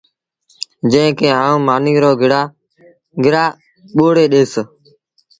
جݩهݩ کي آئوٚنٚ مآݩيٚ رو گرآ ٻوڙي ڏئيٚس